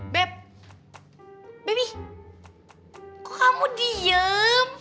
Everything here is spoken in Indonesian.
beb bebi kok kamu diem